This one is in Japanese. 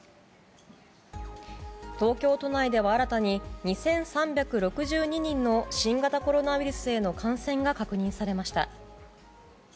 東京都内では新たに２３６２人の新型コロナウイルスへの感染が確認されました。